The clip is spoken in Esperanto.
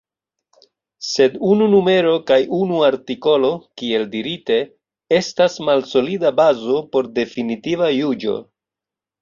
Sed unu numero kaj unu artikolo, kiel dirite, estas malsolida bazo por definitiva juĝo.